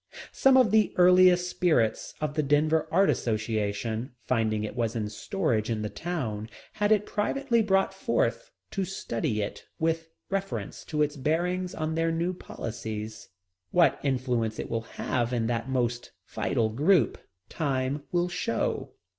Some of the earnest spirits of the Denver Art Association, finding it was in storage in the town, had it privately brought forth to study it with reference to its bearing on their new policies. What influence it will have in that most vital group, time will show.